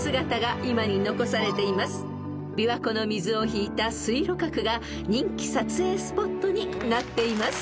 ［琵琶湖の水を引いた水路閣が人気撮影スポットになっています］